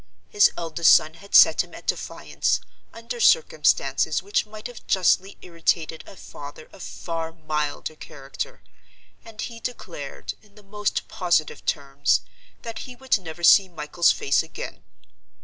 His eldest son had set him at defiance, under circumstances which might have justly irritated a father of far milder character; and he declared, in the most positive terms, that he would never see Michael's face again.